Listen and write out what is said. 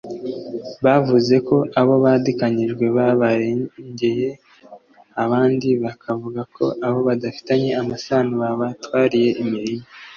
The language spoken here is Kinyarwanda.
bavuze ko abo badikanyijwe babarengereye abandi bakavuga ko abo badafitanye amasano babatwariye imirima